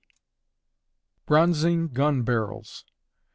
_Bronzing Gun Barrels.